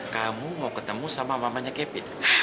kamu mau ketemu sama mamanya kepit